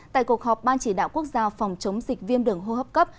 tại cuộc họp ban chỉ đạo quốc gia phòng chống dịch viêm đường hô hấp cấp